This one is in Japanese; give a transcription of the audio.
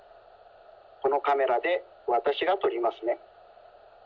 このカメラでわたしがとりますね。